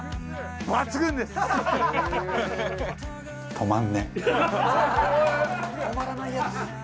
止まらないやつ。